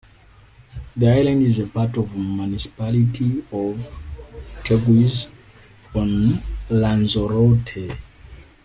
The island is part of the municipality of Teguise on Lanzarote.